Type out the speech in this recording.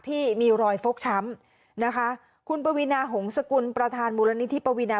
ที่มีรอยฟกช้ำนะคะคุณปวีนาหงษกุลประธานมูลนิธิปวีนา